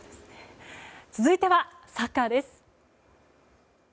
続いてはサッカーです。